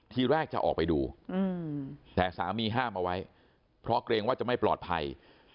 ทีแรกจะออกไปดูแต่สามีห้ามเอาไว้เพราะเกรงว่าจะไม่ปลอดภัย